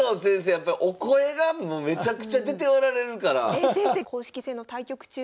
やっぱりお声がもうめちゃくちゃ出ておられるから。